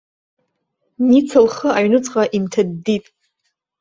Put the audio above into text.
Ница лхы аҩнуҵҟа инҭаддит.